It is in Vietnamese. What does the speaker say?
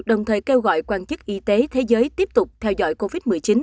đồng thời kêu gọi quan chức y tế thế giới tiếp tục theo dõi covid một mươi chín